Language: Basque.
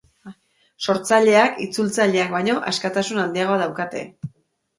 Sortzaileak itzultzaileek baino askatasun handiagoa daukate.